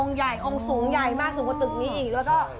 ใหญ่องค์สูงใหญ่มากสูงกว่าตึกนี้อีกแล้วก็